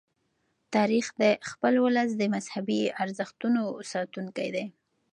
تاریخ د خپل ولس د مذهبي ارزښتونو ساتونکی دی.